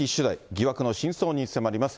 疑惑の真相に迫ります。